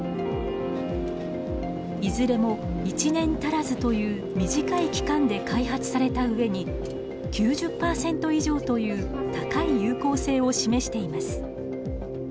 いずれも１年足らずという短い期間で開発されたうえに９０％以上という高い有効性を示しています。